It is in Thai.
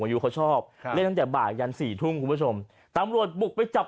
อายุเขาชอบเล่นตั้งแต่บ่ายยันสี่ทุ่มคุณผู้ชมตำรวจบุกไปจับ